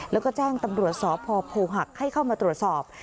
แล้วก็แจ้งตำรวจสพโพหักให้เข้ามาตรวจสอบ